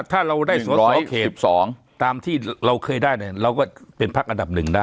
ถ้าเราได้สอสอเขต๑๒ตามที่เราเคยได้เนี่ยเราก็เป็นพักอันดับหนึ่งได้